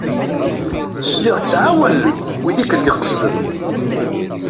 Sliɣ tettɛawanem wid i ken-id-iqesden?